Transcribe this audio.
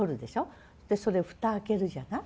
それ蓋開けるじゃない？